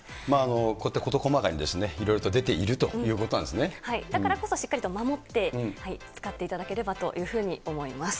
こうやって事細かにいろいろだからこそ、しっかりと守って使っていただければというふうに思います。